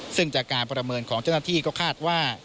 ซึ่งจากการประเมินของเจ้าหน้าที่ก็คาดว่า